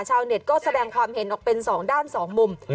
ชาวเน็ตก็แสดงความเห็นออกเป็น๒ด้าน๒มุม